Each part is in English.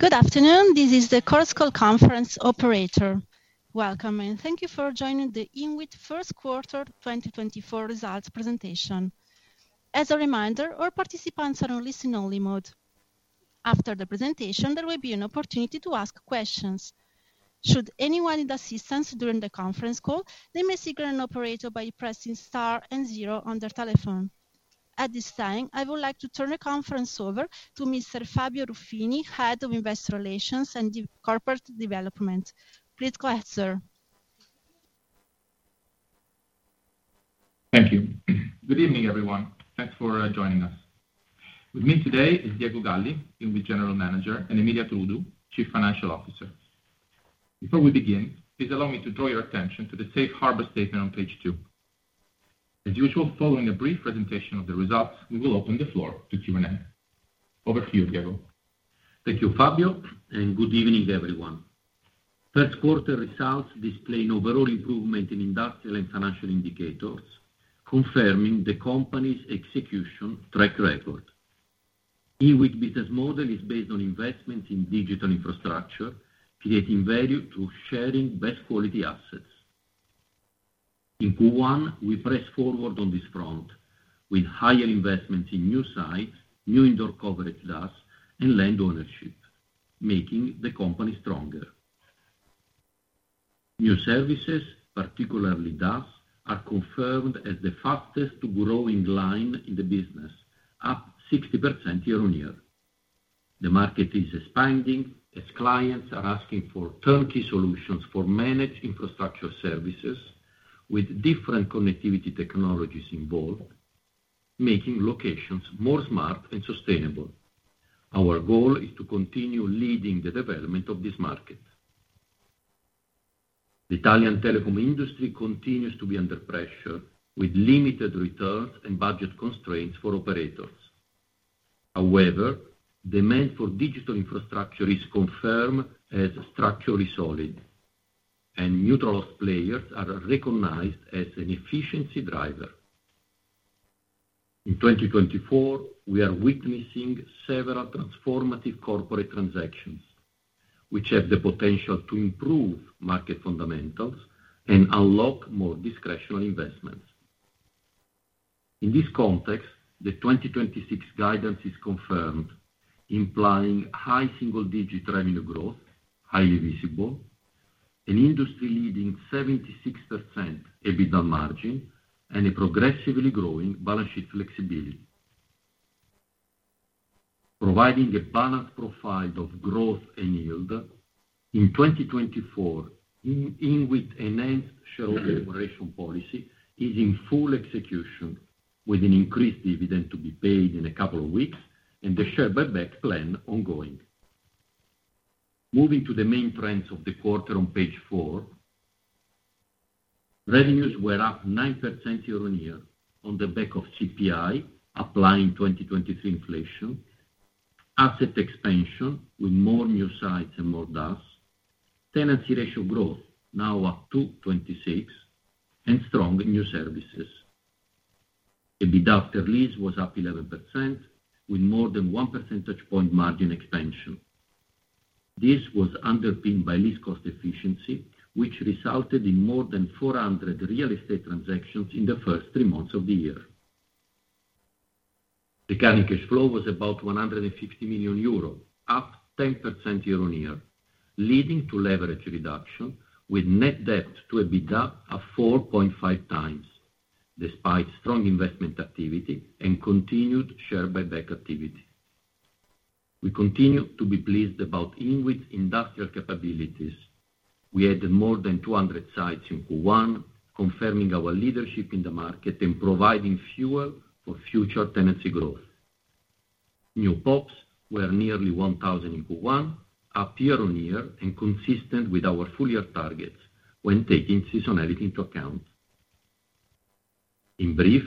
Good afternoon, this is the Chorus Call conference operator. Welcome, and thank you for joining the INWIT first quarter 2024 results presentation. As a reminder, all participants are on listen-only mode. After the presentation, there will be an opportunity to ask questions. Should anyone need assistance during the conference call, they may signal an operator by pressing star and zero on their telephone. At this time, I would like to turn the conference over to Mr. Fabio Ruffini, Head of Investor Relations and Corporate Development. Please go ahead, sir. Thank you. Good evening, everyone. Thanks for joining us. With me today is Diego Galli, INWIT General Manager, and Emilia Trudu, Chief Financial Officer. Before we begin, please allow me to draw your attention to the safe harbor statement on page two. As usual, following a brief presentation of the results, we will open the floor to Q&A. Over to you, Diego. Thank you, Fabio, and good evening, everyone. First quarter results display an overall improvement in industrial and financial indicators, confirming the company's execution track record. INWIT business model is based on investment in digital infrastructure, creating value through sharing best quality assets. In Q1, we pressed forward on this front with higher investments in new sites, new indoor coverage DAS, and land ownership, making the company stronger. New services, particularly DAS, are confirmed as the fastest-growing line in the business, up 60% year-on-year. The market is expanding as clients are asking for turnkey solutions for managed infrastructure services with different connectivity technologies involved, making locations more smart and sustainable. Our goal is to continue leading the development of this market. The Italian telecom industry continues to be under pressure, with limited returns and budget constraints for operators. However, demand for digital infrastructure is confirmed as structurally solid, and neutral players are recognized as an efficiency driver. In 2024, we are witnessing several transformative corporate traMSActions, which have the potential to improve market fundamentals and unlock more discretional investments. In this context, the 2026 guidance is confirmed, implying high single-digit revenue growth, highly visible, an industry-leading 76% EBITDA margin, and a progressively growing balance sheet flexibility. Providing a balanced profile of growth and yield, in 2024, INWIT enhanced shareholder operation policy is in full execution, with an increased dividend to be paid in a couple of weeks and the share buyback plan ongoing. Moving to the main trends of the quarter on page 4, revenues were up 9% year-on-year on the back of CPI, applying 2023 inflation, asset expansion with more new sites and more DAS, tenancy ratio growth, now up to 26, and strong new services. EBITDA after lease was up 11%, with more than one percentage point margin expansion. This was underpinned by lease cost efficiency, which resulted in more than 400 real estate traMSActions in the first three months of the year. The current cash flow was about 150 million euro, up 10% year-on-year, leading to leverage reduction with net debt to EBITDA of 4.5x, despite strong investment activity and continued share buyback activity. We continue to be pleased about INWIT's industrial capabilities. We added more than 200 sites in Q1, confirming our leadership in the market and providing fuel for future tenancy growth. New POPs were nearly 1,000 in Q1, up year-on-year and consistent with our full year targets when taking seasonality into account. In brief,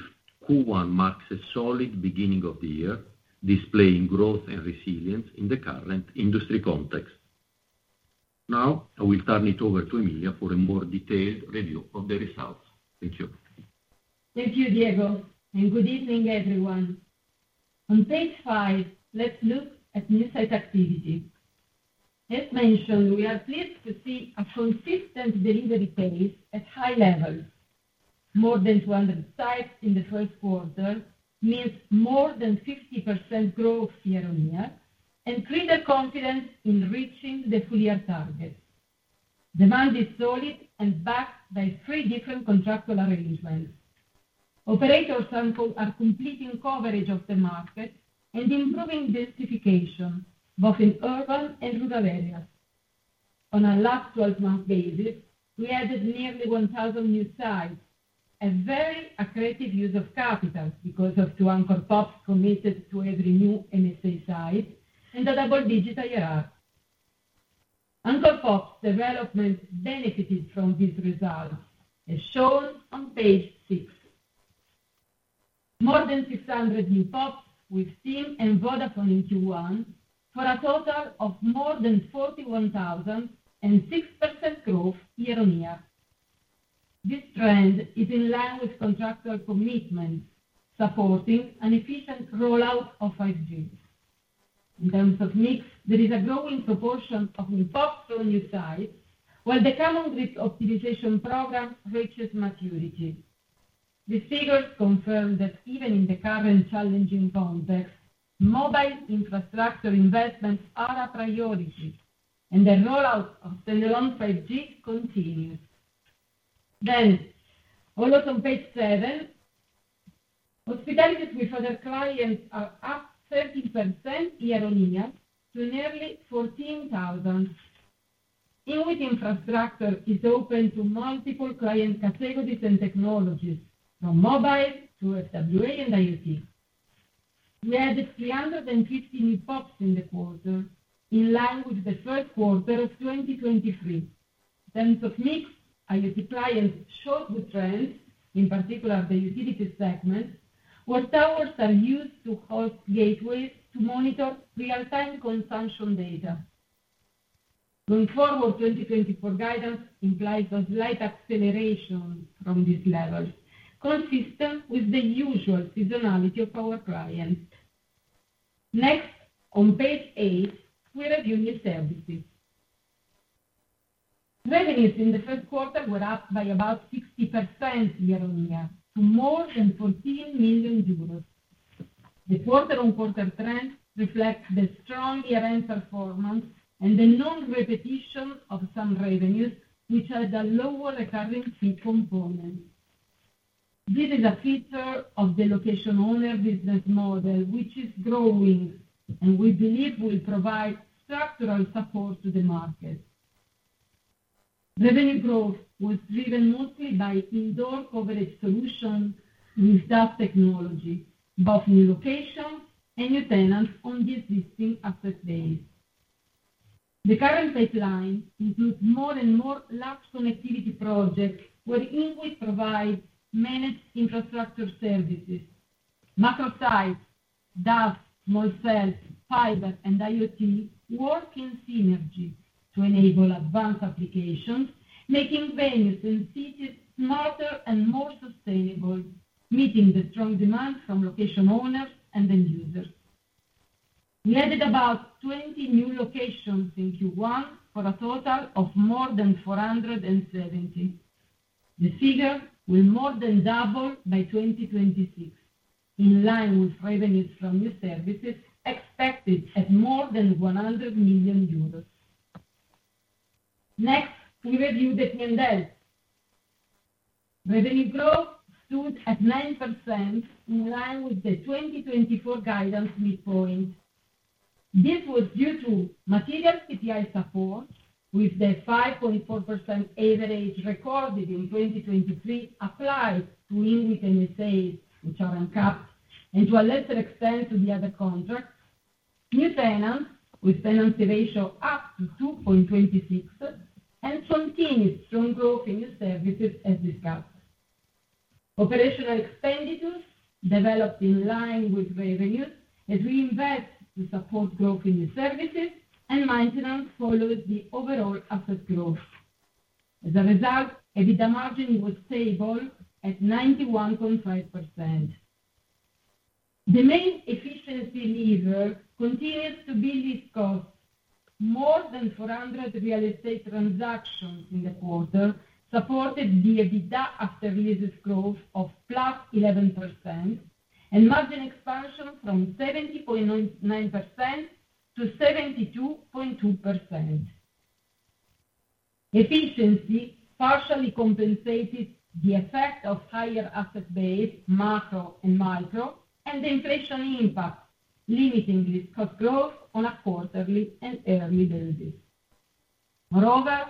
Q1 marks a solid beginning of the year, displaying growth and resilience in the current industry context. Now, I will turn it over to Emilia for a more detailed review of the results. Thank you. Thank you, Diego, and good evening, everyone. On page 5, let's look at new site activity. As mentioned, we are pleased to see a consistent delivery pace at high levels. More than 200 sites in the first quarter means more than 50% growth year-on-year and greater confidence in reaching the full-year targets. Demand is solid and backed by three different contractual arrangements. Operators are completing coverage of the market and improving densification, both in urban and rural areas. On a last 12-month basis, we added nearly 1,000 new sites, a very accretive use of capital because of 2 anchor POPs committed to every new MSA site and a double-digit IRR. Anchor POPs development benefited from these results, as shown on page 6. More than 600 new POPs with TIM and Vodafone in Q1, for a total of more than 41,000 and 6% growth year-over-year. This trend is in line with contractual commitments, supporting an efficient rollout of 5G. In terms of mix, there is a growing proportion of new POPs on new sites, while the common grid optimization program reaches maturity. These figures confirm that even in the current challenging context, mobile infrastructure investments are a priority, and the rollout of standalone 5G continues. Then, over to page seven. Hospitality with other clients are up 13% year-over-year to nearly 14,000. INWIT infrastructure is open to multiple client categories and technologies, from mobile to FWA and IoT. We added 315 POPs in the quarter, in line with the first quarter of 2023. In terms of mix, IoT clients show the trend, in particular the utility segment, where towers are used to host gateways to monitor real-time consumption data. Going forward, 2024 guidance implies a slight acceleration from these levels, consistent with the usual seasonality of our clients. Next, on page 8, we review new services. Revenues in the first quarter were up by about 60% year-on-year, to more than 14 million euros. The quarter-on-quarter trend reflects the strong year-end performance and the non-repetition of some revenues, which had a lower recurring fee component. This is a feature of the location owner business model, which is growing, and we believe will provide structural support to the market. Revenue growth was driven mostly by indoor coverage solution with DAS technology, both new locations and new tenants on the existing asset base. The current pipeline includes more and more large connectivity projects, where INWIT provides managed infrastructure services. Macro sites, DAS, small cells, fiber, and IoT work in synergy to enable advanced applications, making venues and cities smarter and more sustainable, meeting the strong demand from location owners and end users. We added about 20 new locations in Q1, for a total of more than 470. The figure will more than double by 2026, in line with revenues from new services expected at more than 100 million euros. Next, we review the P&L. Revenue growth stood at 9%, in line with the 2024 guidance midpoint. This was due to material CPI support, with the 5.4% average recorded in 2023 applied to INWIT MSA, which are uncapped, and to a lesser extent, to the other contracts. New tenants, with tenancy ratio up to 2.26, and continued strong growth in new services, as discussed. Operational expenditures developed in line with revenues, as we invest to support growth in new services, and maintenance follows the overall asset growth. As a result, EBITDA margin was stable at 91.5%. The main efficiency lever continues to be this cost. More than 400 real estate traMSActions in the quarter supported the EBITDA after leases growth of +11%, and margin expansion from 70.9% to 72.2%. Efficiency partially compensated the effect of higher asset base, macro and micro, and the inflation impact, limiting this cost growth on a quarterly and yearly basis. Moreover,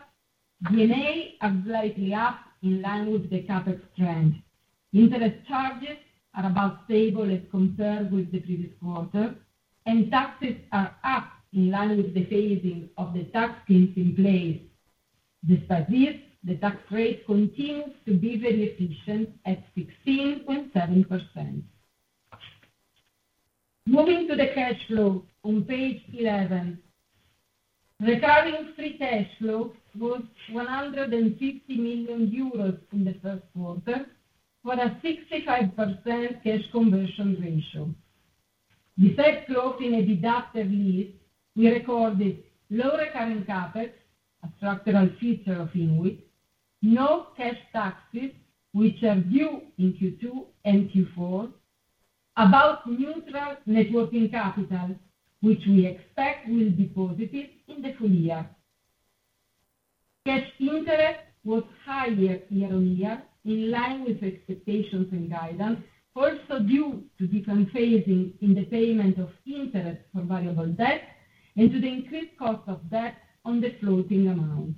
D&A are slightly up in line with the CapEx trend. Interest charges are about stable as compared with the previous quarter, and taxes are up in line with the phasing of the tax plans in place. Despite this, the tax rate continues to be very efficient at 16.7%. Moving to the cash flow on page 11. Recurring free cash flow was 150 million euros in the first quarter, for a 65% cash conversion ratio. The cash flow in the adjusted after lease, we recorded low recurring CapEx, a structural feature of INWIT, no cash taxes, which are due in Q2 and Q4. About neutral working capital, which we expect will be positive in the full year. Cash interest was higher year-on-year, in line with expectations and guidance, also due to different phasing in the payment of interest for variable debt and to the increased cost of debt on the floating amount.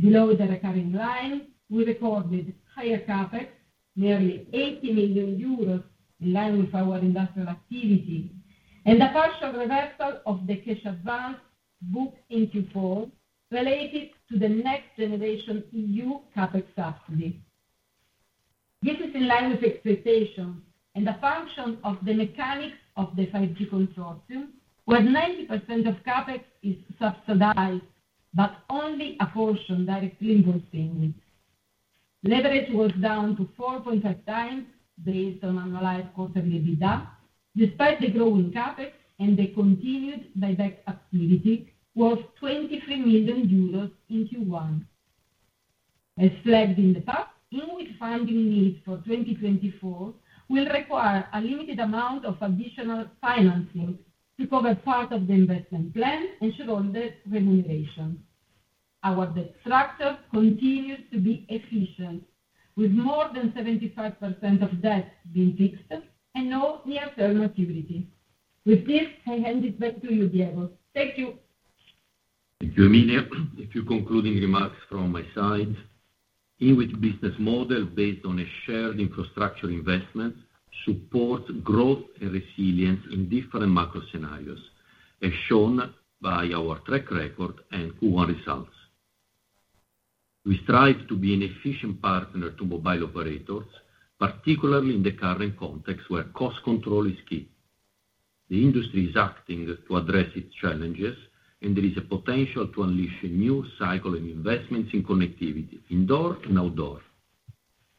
Below the recurring line, we recorded higher CapEx, nearly 80 million euros, in line with our industrial activity, and a partial reversal of the cash advance booked in Q4, related to the next generation EU CapEx subsidy. This is in line with expectation and a function of the mechanics of the 5G consortium, where 90% of CapEx is subsidized, but only a portion directly involved in. Leverage was down to 4.5x, based on annualized quarterly EBITDA, despite the growing CapEx and the continued buyback activity worth 23 million euros in Q1. As flagged in the past, INWIT funding needs for 2024 will require a limited amount of additional financing to cover part of the investment plan and shareholder remuneration. Our debt structure continues to be efficient, with more than 75% of debt being fixed and no near-term maturity. With this, I hand it back to you, Diego. Thank you. Thank you, Emilia. A few concluding remarks from my side. INWIT business model, based on a shared infrastructure investment, support growth and resilience in different macro scenarios, as shown by our track record and Q1 results. We strive to be an efficient partner to mobile operators, particularly in the current context, where cost control is key. The industry is acting to address its challenges, and there is a potential to unleash a new cycle in investments in connectivity, indoor and outdoor.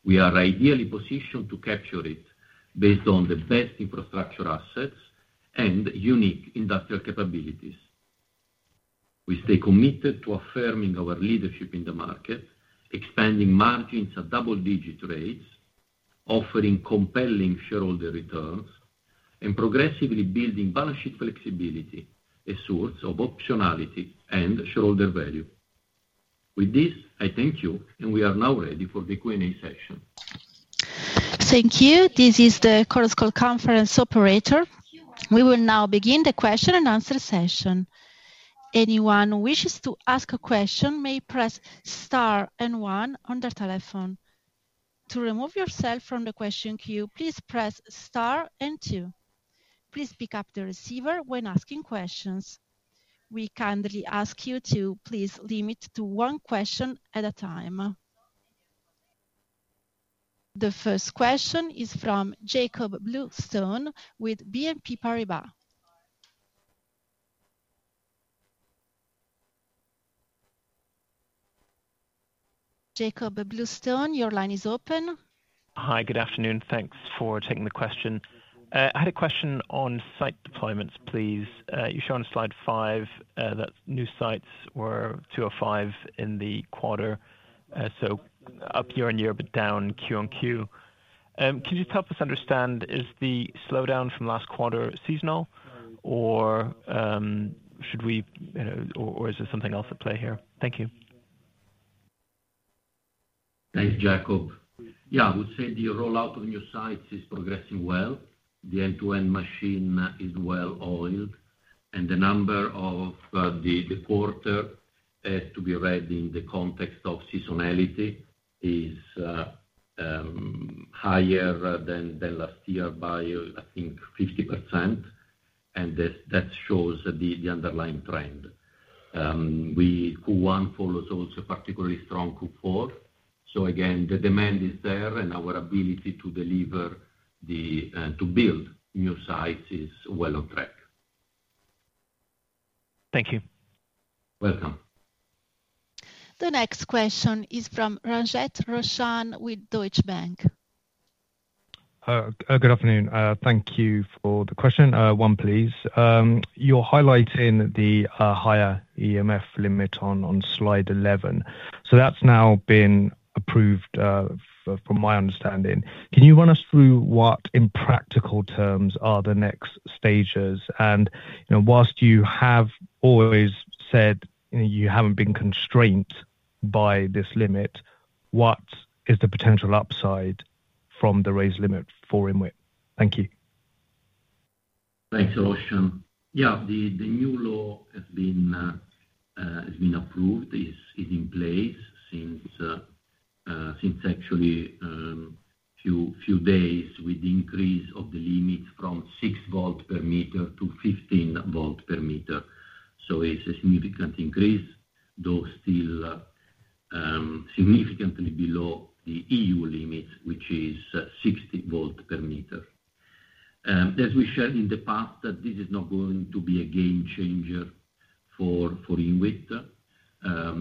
We are ideally positioned to capture it based on the best infrastructure assets and unique industrial capabilities. We stay committed to affirming our leadership in the market, expanding margins at double-digit rates, offering compelling shareholder returns, and progressively building balance sheet flexibility, a source of optionality and shareholder value. With this, I thank you, and we are now ready for the Q&A session. Thank you. This is the Chorus Call conference operator. We will now begin the question and answer session. Anyone who wishes to ask a question may press star and one on their telephone. To remove yourself from the question queue, please press star and two. Please pick up the receiver when asking questions. We kindly ask you to please limit to one question at a time. The first question is from Jacob Bluestone with BNP Paribas. Jacob Bluestone, your line is open. Hi, good afternoon. Thanks for taking the question. I had a question on site deployments, please. You show on slide 5, that new sites were 205 in the quarter. So up year-on-year, but down Q-on-Q. Can you help us understand, is the slowdown from last quarter seasonal, or should we, or is there something else at play here? Thank you. Thanks, Jacob. Yeah, I would say the rollout of new sites is progressing well. The end-to-end machine is well oiled, and the number of the quarter to be read in the context of seasonality is higher than last year by, I think, 50%, and that shows the underlying trend. Q1 follows also a particularly strong Q4. So again, the demand is there, and our ability to deliver to build new sites is well on track. Thank you. Welcome. The next question is from Roshan Ranjit with Deutsche Bank. Good afternoon. Thank you for the question. One, please. You're highlighting the higher EMF limit on slide 11. So that's now been approved, from my understanding. Can you run us through what, in practical terms, are the next stages? And, you know, whilst you have always said you haven't been constrained by this limit, what is the potential upside from the raised limit for INWIT? Thank you. Thanks, Roshan. Yeah, the new law has been approved, is in place since actually few days, with the increase of the limit from 6 V/m to 15 V/m. So it's a significant increase, though still significantly below the EU limit, which is 60 V/m. As we said in the past, that this is not going to be a game changer for INWIT.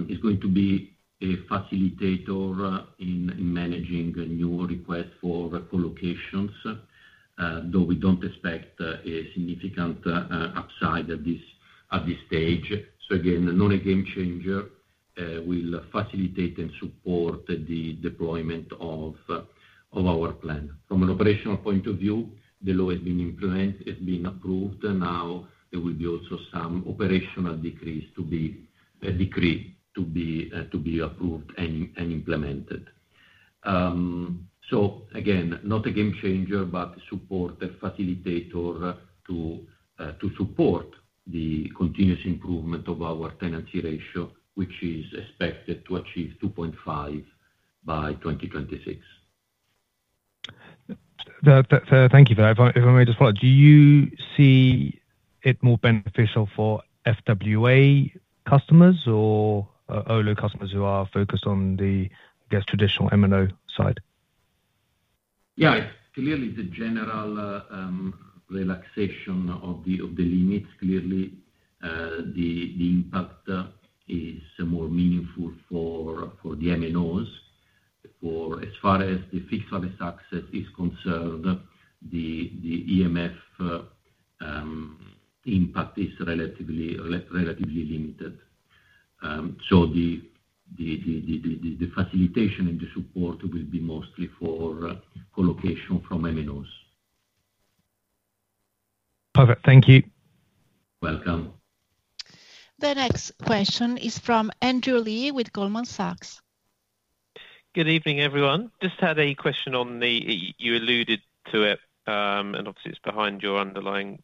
It's going to be a facilitator in managing new requests for co-locations, though we don't expect a significant upside at this stage. So again, not a game changer, will facilitate and support the deployment of our plan. From an operational point of view, the law has been implemented, it's been approved, and now there will be also some operational decrees to be approved and implemented. So again, not a game changer, but support facilitator to support the continuous improvement of our tenancy ratio, which is expected to achieve 2.5 by 2026.... Thank you. If I, if I may just follow, do you see it more beneficial for FWA customers or OLO customers who are focused on the, I guess, traditional MNO side? Yeah, clearly the general relaxation of the limits, clearly the impact is more meaningful for the MNOs. For as far as the fixed service access is concerned, the EMF impact is relatively, relatively limited. So the facilitation and the support will be mostly for collocation from MNOs. Perfect. Thank you. Welcome. The next question is from Andrew Lee with Goldman Sachs. Good evening, everyone. Just had a question on the, you alluded to it, and obviously it's behind your underlying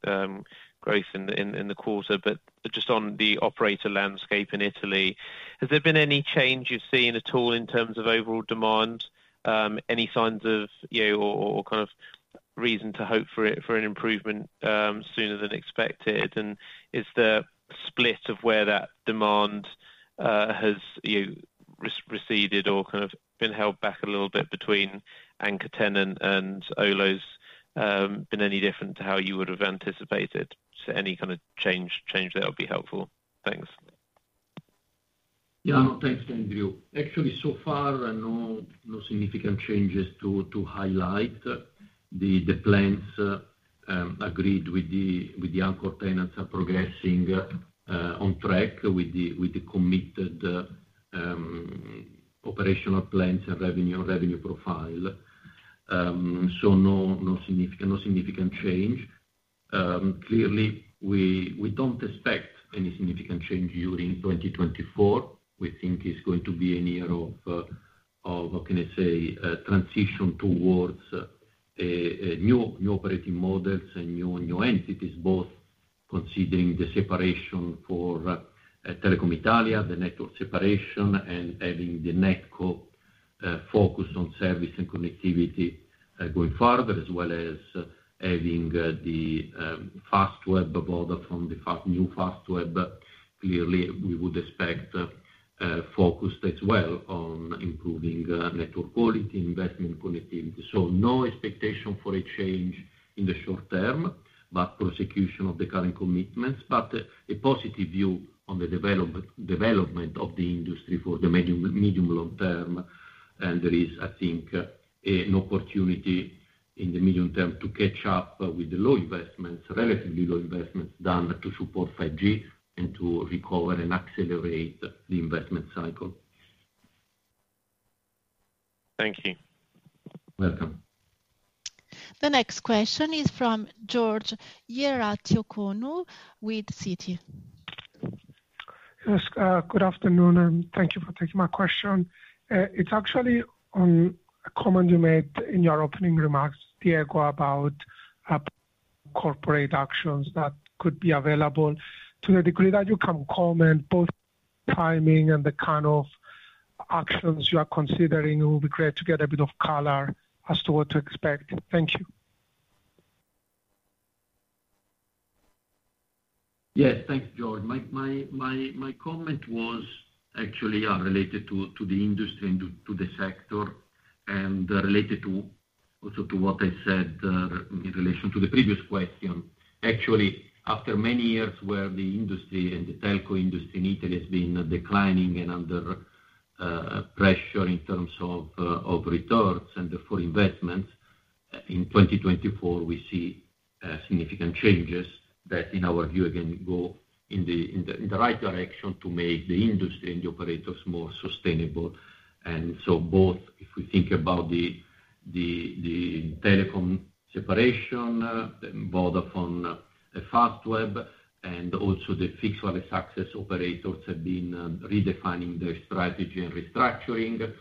growth in the quarter, but just on the operator landscape in Italy, has there been any change you've seen at all in terms of overall demand, any signs of, you know, reason to hope for an improvement sooner than expected? And is the split of where that demand has, you know, receded or kind of been held back a little bit between anchor tenant and OLOs been any different to how you would have anticipated? So any kind of change there will be helpful. Thanks. Yeah. Thanks, Andrew. Actually, so far, no significant changes to highlight. The plans agreed with the anchor tenants are progressing on track with the committed operational plans and revenue profile. So no significant change. Clearly, we don't expect any significant change during 2024. We think it's going to be a year of, what can I say, a transition towards a new operating models and new entities, both considering the separation for Telecom Italia, the network separation, and adding the NetCo focus on service and connectivity going further, as well as adding the Fastweb deal from the fast, new Fastweb. Clearly, we would expect focus as well on improving network quality, investment connectivity. So no expectation for a change in the short term, but prosecution of the current commitments, but a positive view on the development, development of the industry for the medium, medium long term. And there is, I think, an opportunity in the medium term to catch up with the low investments, relatively low investments done to support 5G and to recover and accelerate the investment cycle. Thank you. Welcome. The next question is from Georgios Ierodiaconou with Citi. Yes, good afternoon, and thank you for taking my question. It's actually on a comment you made in your opening remarks, Diego, about corporate actions that could be available. To the degree that you can comment, both timing and the kind of actions you are considering, it will be great to get a bit of color as to what to expect. Thank you. Yes, thanks, Georgios. My comment was actually related to the industry and to the sector, and also related to what I said in relation to the previous question. Actually, after many years where the industry and the telco industry in Italy has been declining and under pressure in terms of of returns and for investments, in 2024, we see significant changes that, in our view, again, go in the right direction to make the industry and the operators more sustainable. And so both, if we think about the telecom separation, both from a Fastweb and also the fixed wireless access operators have been redefining their strategy and restructuring.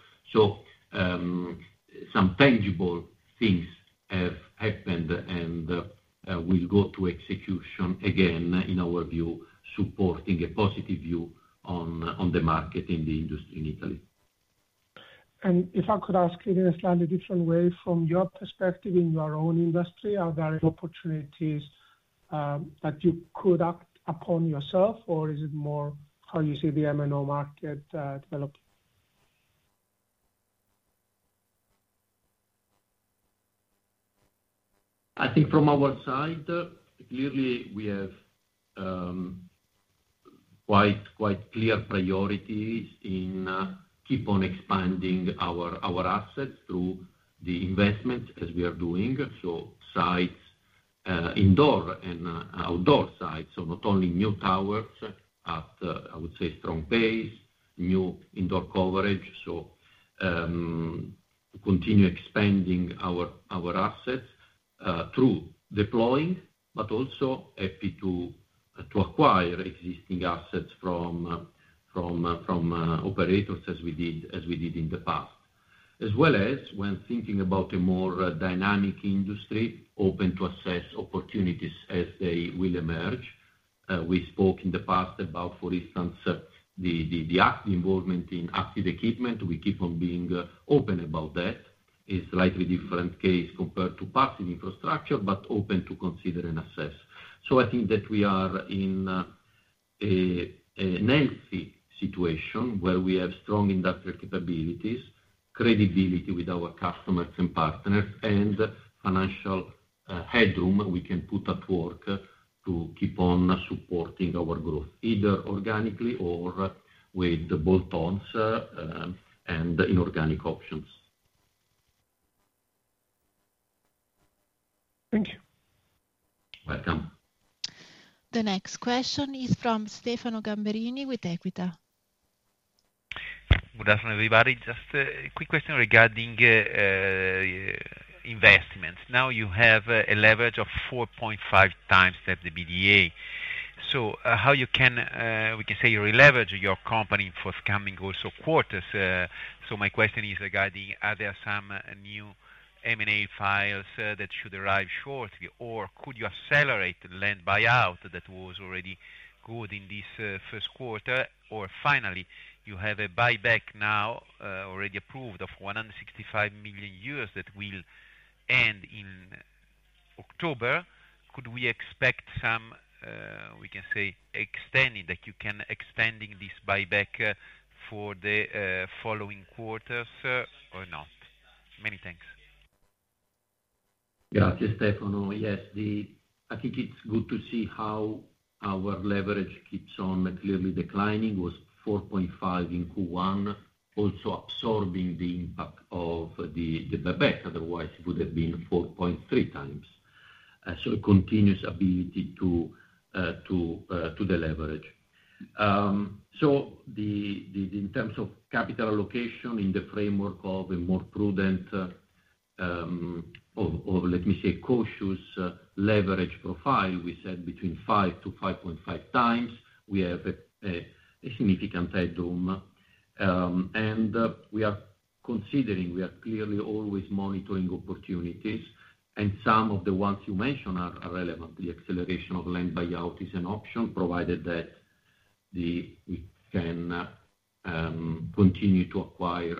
Some tangible things have happened and will go to execution, again, in our view, supporting a positive view on the market in the industry in Italy. If I could ask you in a slightly different way, from your perspective in your own industry, are there opportunities that you could act upon yourself, or is it more how you see the MNO market developing? I think from our side, clearly, we have quite, quite clear priorities in keep on expanding our assets through the investment as we are doing. So sites, indoor and outdoor sites, so not only new towers at, I would say, strong pace, new indoor coverage. So, continue expanding our assets through deploying, but also happy to acquire existing assets from operators as we did in the past. As well as when thinking about a more dynamic industry, open to assess opportunities as they will emerge. We spoke in the past about, for instance, the active involvement in active equipment. We keep on being open about that. It's slightly different case compared to passive infrastructure, but open to consider and assess. So I think that we are in a healthy situation where we have strong industrial capabilities, credibility with our customers and partners, and financial headroom we can put at work to keep on supporting our growth, either organically or with the bolt-ons, and inorganic options. Thank you. Welcome. The next question is from Stefano Gamberini with Equita. Good afternoon, everybody. Just a quick question regarding investments. Now, you have a leverage of 4.5 times the EBITDA. So, how you can, we can say, re-leverage your company for coming also quarters? So my question is regarding, are there some new M&A files that should arrive shortly? Or could you accelerate the land buyout that was already good in this first quarter? Or finally, you have a buyback now already approved of 165 million euros that will end in October. Could we expect some, we can say, extending, that you can extending this buyback for the following quarters, or not? Many thanks. Got you, Stefano. Yes, I think it's good to see how our leverage keeps on clearly declining. It was 4.5x in Q1, also absorbing the impact of the buyback. Otherwise, it would have been 4.3x. So continuous ability to deleverage. So the in terms of capital allocation in the framework of a more prudent, or, or let me say, cautious leverage profile, we said between 5x-5.5x, we have a significant headroom. And we are considering, we are clearly always monitoring opportunities, and some of the ones you mentioned are relevant. The acceleration of land buyout is an option, provided that we can continue to acquire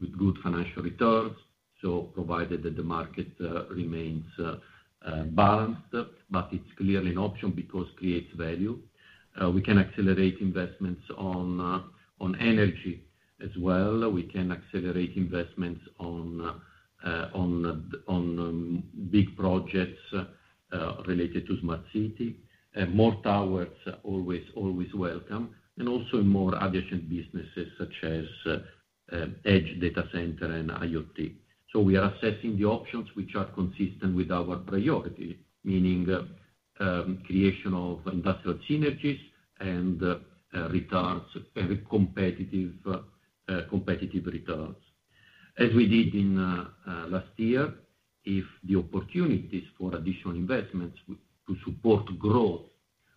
with good financial returns, so provided that the market remains balanced. But it's clearly an option because creates value. We can accelerate investments on energy as well. We can accelerate investments on big projects related to smart city. More towers are always welcome, and also more addition businesses such as edge data center and IoT. So we are assessing the options which are consistent with our priority, meaning creation of industrial synergies and returns, very competitive returns. As we did last year, if the opportunities for additional investments to support growth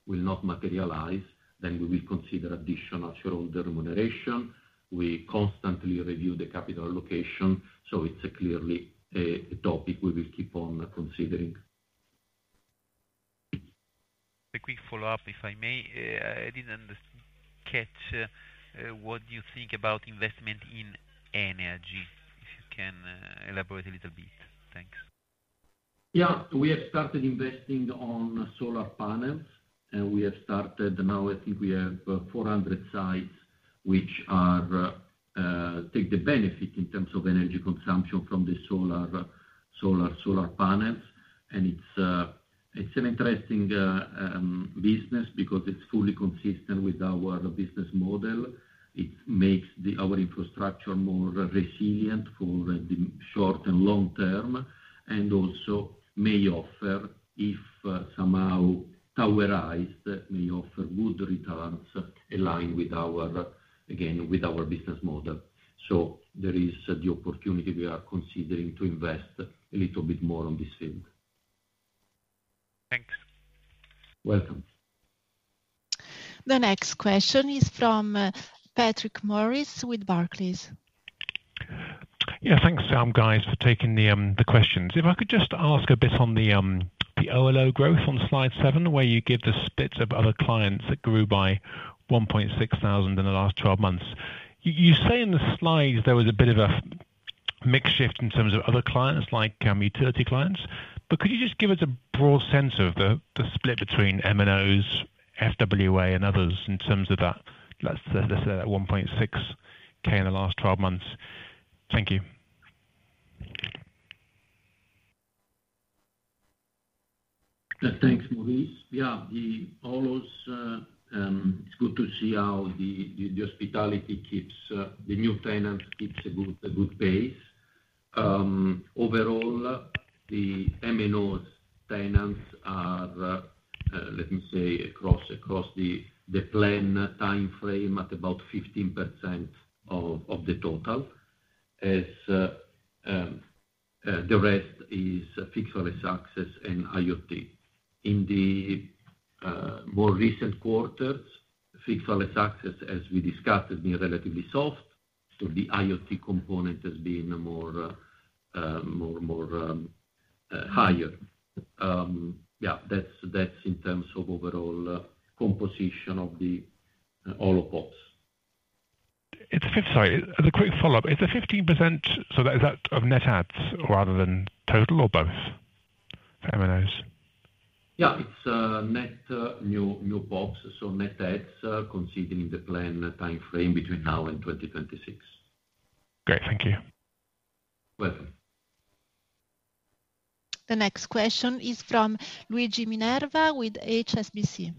will not materialize, then we will consider additional shareholder remuneration. We constantly review the capital allocation, so it's clearly a topic we will keep on considering. A quick follow-up, if I may. I didn't catch what do you think about investment in energy? If you can, elaborate a little bit. Thanks. Yeah. We have started investing on solar panels, and we have started. Now, I think we have 400 sites, which take the benefit in terms of energy consumption from the solar panels. And it's an interesting business because it's fully consistent with our business model. It makes our infrastructure more resilient for the short and long term, and also may offer, if somehow towerized, good returns aligned with our, again, with our business model. So there is the opportunity we are considering to invest a little bit more on this field. Thanks. Welcome. The next question is from Patrick Maurice with Barclays. Yeah. Thanks, guys, for taking the questions. If I could just ask a bit on the OLO growth on slide 7, where you give the splits of other clients that grew by 1.6 thousand in the last 12 months. You say in the slides, there was a bit of a mix shift in terms of other clients, like utility clients. But could you just give us a broad sense of the split between MNOs, FWA, and others in terms of that, let's say, that 1.6K in the last 12 months? Thank you. Thanks, Maurice. Yeah, the OLOs, it's good to see how the hospitality keeps the new tenants keeps a good pace. Overall, the MNOs tenants are, let me say, across the plan timeframe at about 15% of the total, as the rest is fixed wireless access and IoT. In the more recent quarters, fixed wireless access, as we discussed, has been relatively soft, so the IoT component has been more more higher. Yeah, that's in terms of overall composition of the all POPs. Sorry, as a quick follow-up, is the 15%, so is that of net adds rather than total or both? MNOs. Yeah, it's net new POPs, so net adds, considering the plan timeframe between now and 2026. Great. Thank you. Welcome. The next question is from Luigi Minerva with HSBC.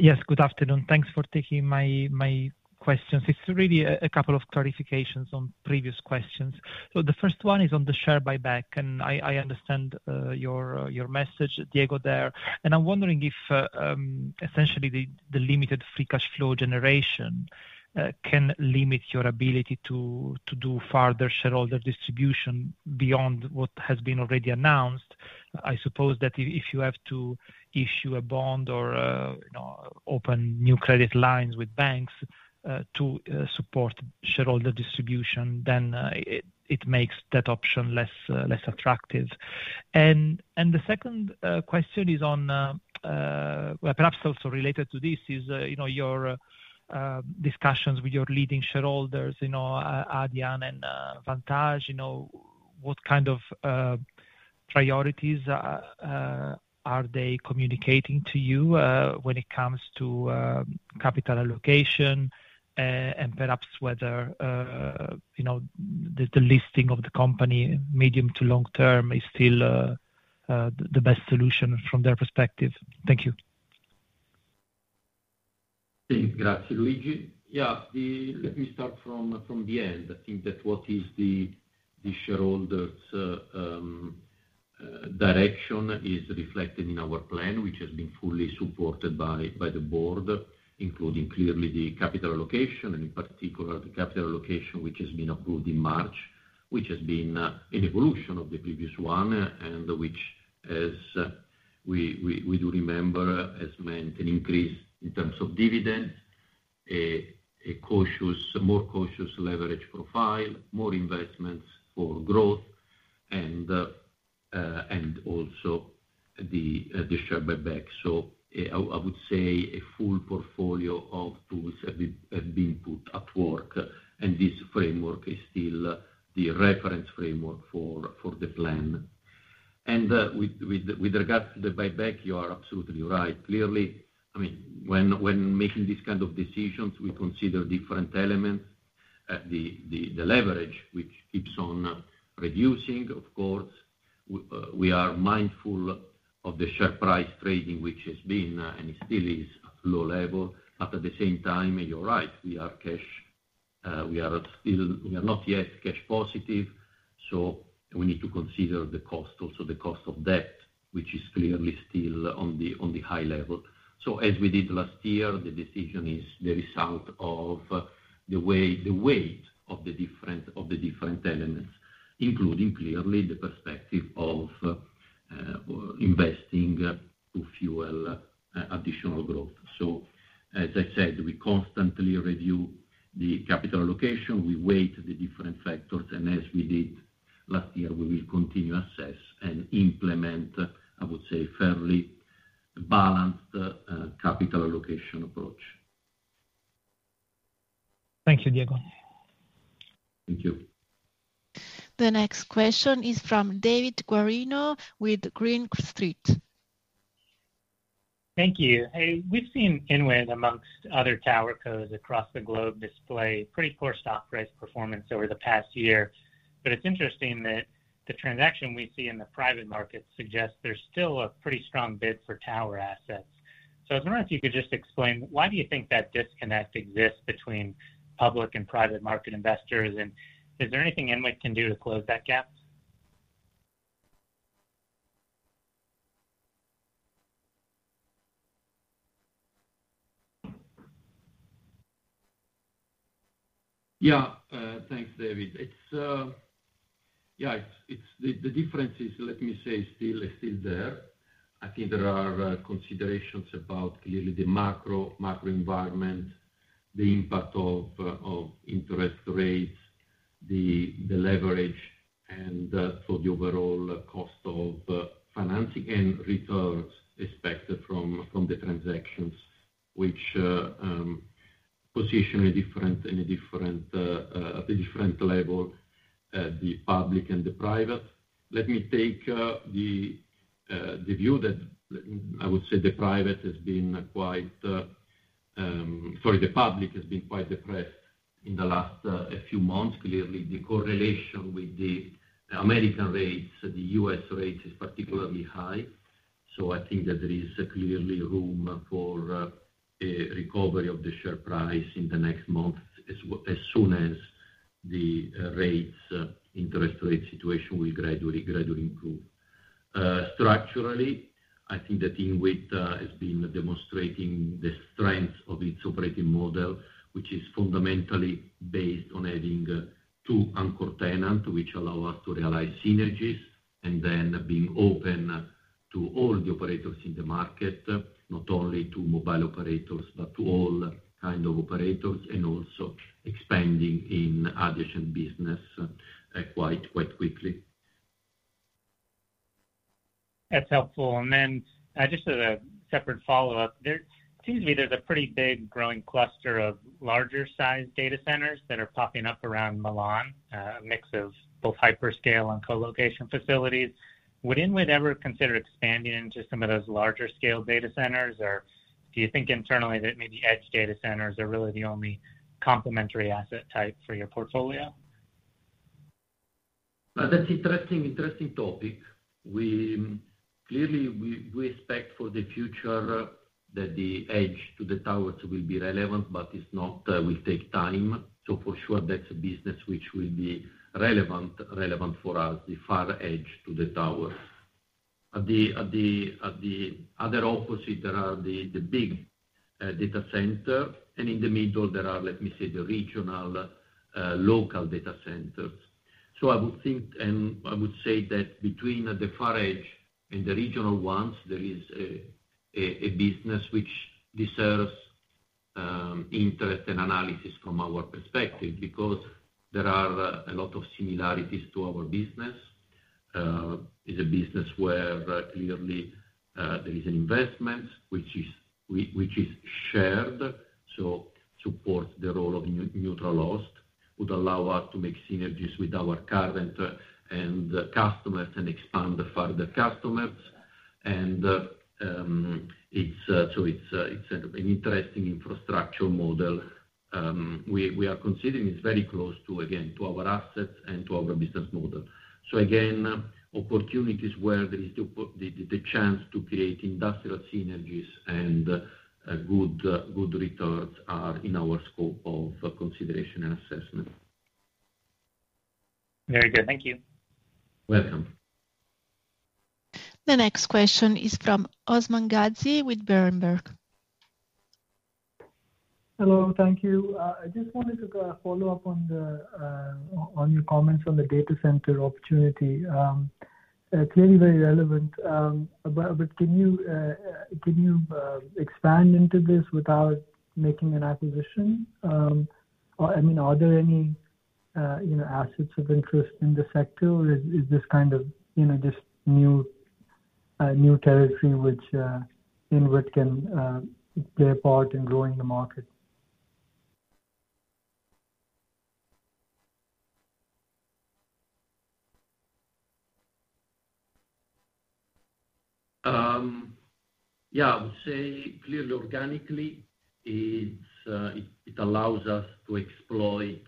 Yes, good afternoon. Thanks for taking my questions. It's really a couple of clarifications on previous questions. So the first one is on the share buyback, and I understand your message, Diego, there. And I'm wondering if essentially the limited free cash flow generation can limit your ability to do further shareholder distribution beyond what has been already announced. I suppose that if you have to issue a bond or you know, open new credit lines with banks to support shareholder distribution, then it makes that option less attractive. And the second question is on well, perhaps also related to this, is you know, your discussions with your leading shareholders, you know, Ardian and Vantage. You know, what kind of priorities are they communicating to you when it comes to capital allocation, and perhaps whether, you know, the listing of the company, medium to long term, is still the best solution from their perspective? Thank you. Thanks, Luigi. Yeah. Let me start from the end. I think that what is the shareholders' direction is reflected in our plan, which has been fully supported by the board, including clearly the capital allocation, and in particular, the capital allocation, which has been approved in March. Which has been an evolution of the previous one, and which, as we do remember, has meant an increase in terms of dividends, a more cautious leverage profile, more investments for growth, and also the share buyback. So I would say a full portfolio of tools have been put at work, and this framework is still the reference framework for the plan. And with regards to the buyback, you are absolutely right. Clearly, I mean, when making these kind of decisions, we consider different elements. The leverage, which keeps on reducing, of course, we are mindful of the share price trading, which has been and still is low level, but at the same time, you're right, we are still, we are not yet cash positive, so we need to consider the cost, also the cost of debt, which is clearly still on the high level. So as we did last year, the decision is the result of the way, the weight of the different, of the different elements, including clearly the perspective of investing to fuel additional growth. So, as I said, we constantly review the capital allocation, we weigh the different factors, and as we did last year, we will continue to assess and implement, I would say, fairly balanced capital allocation approach. Thank you, Diego. Thank you. The next question is from David Guarino with Green Street. Thank you. Hey, we've seen INWIT, among other tower codes across the globe, display pretty poor stock price performance over the past year. But it's interesting that the transaction we see in the private market suggests there's still a pretty strong bid for tower assets. So I was wondering if you could just explain, why do you think that disconnect exists between public and private market investors? And is there anything INWIT can do to close that gap? Yeah. Thanks, David. It's... Yeah, it's the difference is, let me say, still there. I think there are considerations about clearly the macro environment, the impact of interest rates, the leverage, and so the overall cost of financing and returns expected from the transactions, which position a different, in a different, at a different level the public and the private. Let me take the view that I would say the private has been quite... Sorry, the public has been quite depressed in the last a few months. Clearly, the correlation with the American rates, the U.S. rates, is particularly high. So I think that there is clearly room for a recovery of the share price in the next month, as soon as the rates, interest rate situation will gradually improve. Structurally, I think the INWIT has been demonstrating the strength of its operating model, which is fundamentally based on adding two anchor tenants, which allow us to realize synergies, and then being open to all the operators in the market, not only to mobile operators, but to all kind of operators, and also expanding in adjacent business quite quickly. That's helpful. And then, just as a separate follow-up, there it seems to me there's a pretty big growing cluster of larger-sized data centers that are popping up around Milan, a mix of both hyperscale and colocation facilities. Would INWIT ever consider expanding into some of those larger scale data centers, or do you think internally that maybe edge data centers are really the only complementary asset type for your portfolio? That's interesting, interesting topic. Clearly, we expect for the future that the edge to the towers will be relevant, but it's not, will take time. So for sure, that's a business which will be relevant for us, the far edge to the towers. At the other opposite, there are the big data center, and in the middle there are, let me say, the regional, local data centers. So I would think, and I would say that between the far edge and the regional ones, there is a business which deserves interest and analysis from our perspective, because there are a lot of similarities to our business. It's a business where clearly there is an investment which is, which is shared, so supports the role of neutral host, would allow us to make synergies with our current and customers, and expand further customers. It's so it's, it's an interesting infrastructure model. We, we are considering it's very close to, again, to our assets and to our business model. So again, opportunities where there is to put the, the chance to create industrial synergies and, good, good returns are in our scope of consideration and assessment. Very good. Thank you. Welcome. The next question is from Usman Ghazi with Berenberg. Hello. Thank you. I just wanted to follow up on the on your comments on the data center opportunity. Clearly very relevant, but can you expand into this without making an acquisition? Or, I mean, are there any, you know, assets of interest in this sector, or is this kind of, you know, just new territory which INWIT can play a part in growing the market? Yeah, I would say clearly organically, it's, it allows us to exploit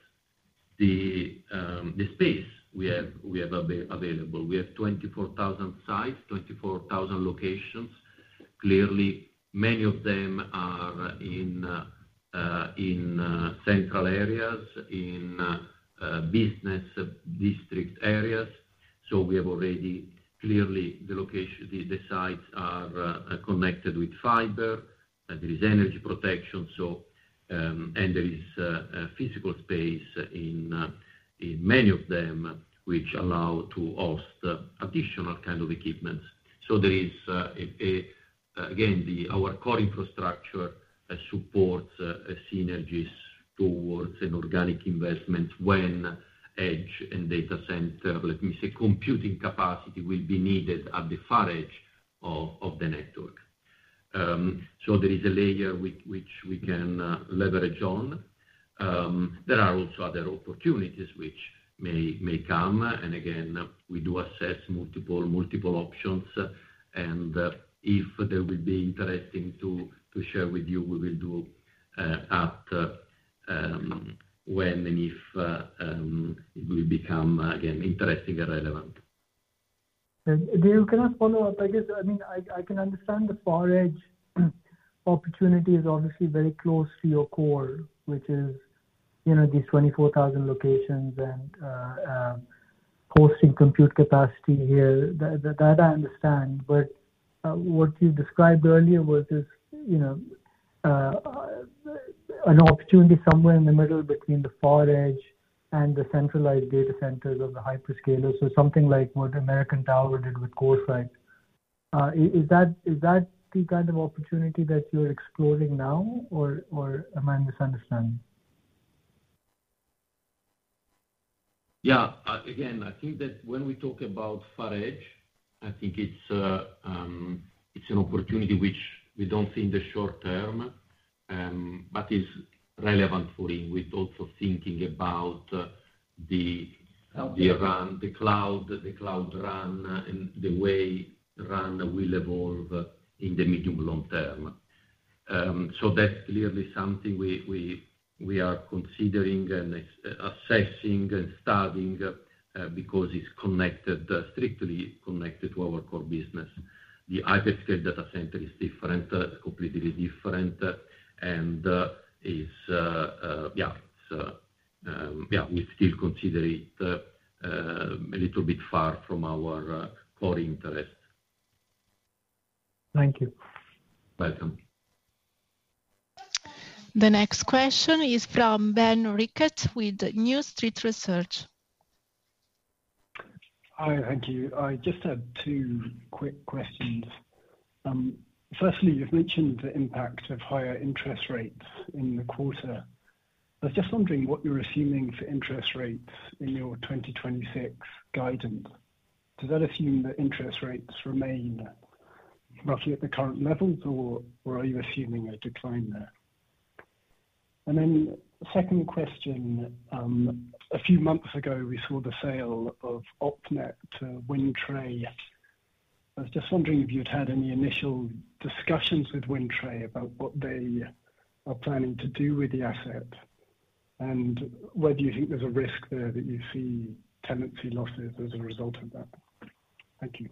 the space we have, we have available. We have 24,000 sites, 24,000 locations. Clearly, many of them are in central areas, in business district areas. So we have already... clearly, the location, the sites are connected with fiber, and there is energy protection, so, and there is physical space in many of them, which allow to host additional kind of equipments. So there is, again, our core infrastructure supports synergies towards an organic investment when edge and data center, let me say, computing capacity will be needed at the far edge of the network. So there is a layer which we can leverage on. There are also other opportunities which may come, and again, we do assess multiple options, and if they will be interesting to share with you, we will do when and if it will become, again, interesting and relevant. Can I follow up? I guess, I mean, I can understand the far edge opportunity is obviously very close to your core, which is, you know, these 24,000 locations and hosting compute capacity here. That, that I understand, but what you described earlier was this, you know, an opportunity somewhere in the middle between the far edge and the centralized data centers of the hyperscaler. So something like what American Tower did with CoreSite. Is that, is that the kind of opportunity that you're exploring now, or am I misunderstanding? Yeah. Again, I think that when we talk about far edge, I think it's an opportunity which we don't see in the short term, but it's relevant for Inwit, also thinking about the- Okay... the RAN, the Cloud RAN, and the way RAN will evolve in the medium- to long-term. So that's clearly something we are considering and assessing and studying, because it's connected, strictly connected to our core business. The hyperscale data center is different, completely different, and is, yeah. So, yeah, we still consider it a little bit far from our core interest. Thank you. Welcome. ... The next question is from Ben Rickett with New Street Research. Hi, thank you. I just have two quick questions. Firstly, you've mentioned the impact of higher interest rates in the quarter. I was just wondering what you're assuming for interest rates in your 2026 guidance. Does that assume that interest rates remain roughly at the current levels or, or are you assuming a decline there? And then the second question, a few months ago, we saw the sale of OpNet to Wind Tre. I was just wondering if you'd had any initial discussions with Wind Tre about what they are planning to do with the asset, and whether you think there's a risk there that you see tenancy losses as a result of that. Thank you.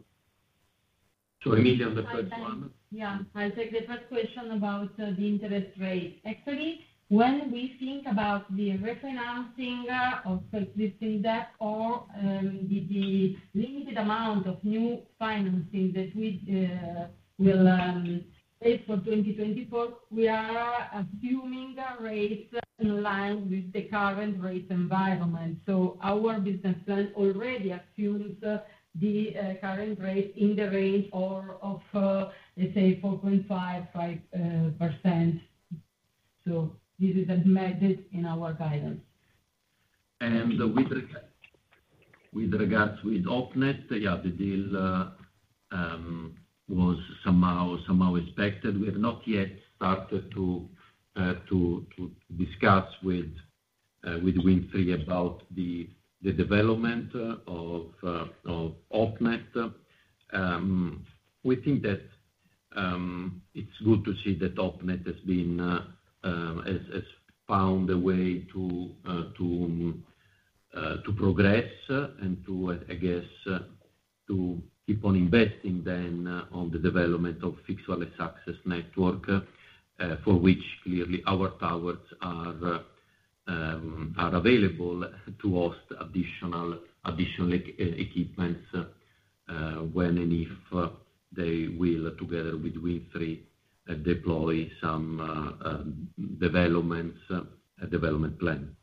Emilia, on the first one. Yeah, I'll take the first question about the interest rate. Actually, when we think about the refinancing of existing debt or the limited amount of new financing that we will take for 2024, we are assuming a rate in line with the current rate environment. So our business plan already assumes the current rate in the range of, let's say, 4.5%-5%. So this is admitted in our guidance. With regards to OpNet, yeah, the deal was somehow, somehow expected. We have not yet started to discuss with Wind Tre about the development of OpNet. We think that it's good to see that OpNet has found a way to progress and to, I guess, keep on investing then on the development of fixed wireless access network, for which clearly our towers are available to host additional equipment, when and if they will, together with Wind Tre, deploy some development plan.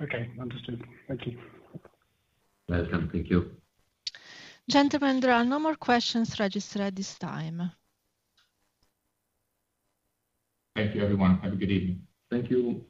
Okay, understood. Thank you. Welcome. Thank you. Gentlemen, there are no more questions registered at this time. Thank you, everyone. Have a good evening. Thank you.